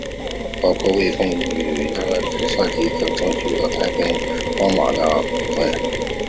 包括微风广场与蔡辰洋的寒舍集团等皆争取购买太平洋崇光百货的股份。